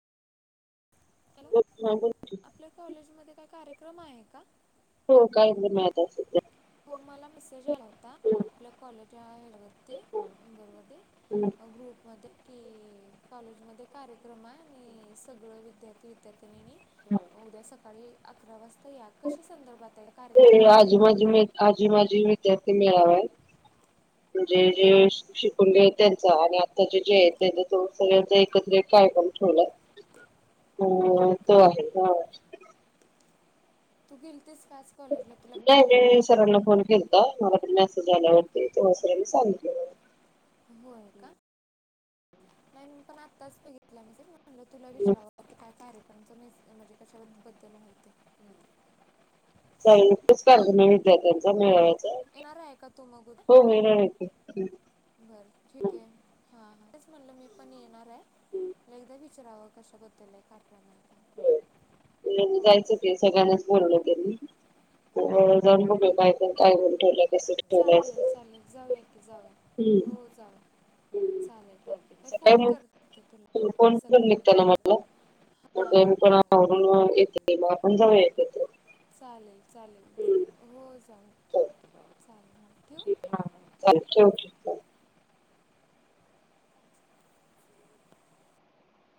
Hello ब ह [unintelligible] आपल्या कॉलेज मध्ये काय कार्यक्रम आहे का? हो काही माता [unintelligible] असेल हो मला मॅसेज आला होता ते. आपल्या कॉलेजच्या याच्या वरती नंबरवरती. ग्रुपमधे कि कॉलेजमध्ये कार्यक्रमाय आणि सगळं विद्यार्थी विद्यार्थ्यांनीनी उद्या सकाळी अकरा वाज तर या कशा संदर्भाताय कार्यक्रम ते माहीतय आजी का माझी तुला? मी आजी माझी विद्यार्थी मेळावा आहे. म्हणजे हां. जे शिकणलेत त्यांचा आणि आता जेयत त्यांच त [unintelligible] कार्यक्रम ठेवलाय अ होय का तो आहे हं तू गेल तेच कायच कॉलेजला तुला नाही काय [inaudible] मी सरांना फोन केलता मला पण मेसेज आल्यावरती तेव्हा सरांनी सांगितलं होय का नाही पण आत्ताच बघितल्या मॅसेज म्हणलं तुला मला. विचारावं की काय कार्यक्रम म्हणजे कशा बद्दल आहे ते. चालेल तोच कार्यक्रम आहे विद्यार्थ्यांचा [inaudible] हो का मेळाव्याचा येणार आहे का तू मग उद्या? हो होणार आहे की. बर ठीकंय म्हणलं मी पण येणारय एकदा विचारावं कशाबद्दलय का ह [inaudible] जायचं ते सगळ्यांनाच बोलावलय त्यानी जाऊन बघूया बाय काय बोल ठेवलं कस ठेवलंयच जावूया हो जावूया चालेल मी फोन सकाळी मग कर फोन कर निघताना मला हां मी पण आवरून मग येते आपण जावूया एकत्र चालेल हम्म. चालेल हो जाऊया चालेल हा हं चालेल [unintelligible] थक्य